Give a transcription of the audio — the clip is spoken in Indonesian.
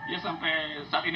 ya sampai saat ini